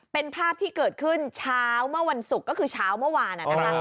เป็นภาพที่เกิดขึ้นเช้าเมื่อวันศุกร์ก็คือเช้าเมื่อวานนะคะ